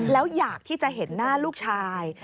แล้วอยากที่จะเห็นหน้าลูกชาย